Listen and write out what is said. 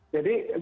jadi gerak jateng